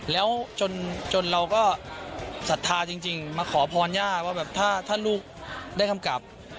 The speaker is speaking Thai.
แล้วจนเราก็ศรัทธาจริงมาขอพรย่าว่าแบบถ้าลูกได้กำกับ